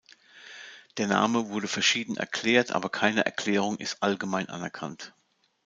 Der Name wurde verschieden erklärt, aber keine Erklärung ist allgemein anerkannt.